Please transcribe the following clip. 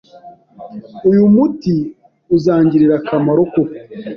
Uyu muti uzangirira akamaro koko?